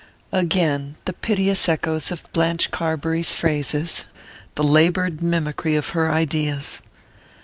Again the piteous echo of Blanche Carbury's phrases! The laboured mimicry of her ideas!